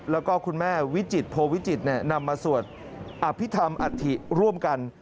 แล้วก็คุณแม่วิจิตโพวิจิตรนำมาสวดอภิษฐรรมอัฐิร่วมกัน